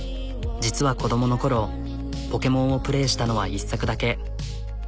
実は子どものころポケモンをプレーしたのは一作だけ。